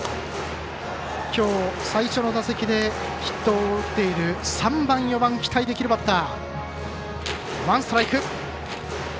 きょう最初の打席でヒットを打っている３番、４番、期待できるバッター。